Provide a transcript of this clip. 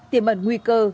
tiềm ẩn nguy cơ